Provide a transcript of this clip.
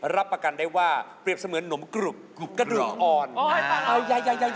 รับประกันได้ว่าเปรียบเสมือนหนมกรุบกรุบกระดูกอ่อน